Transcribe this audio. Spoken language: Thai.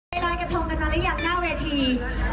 ไปร้านกระทงกันมาแล้วยังหน้าเวที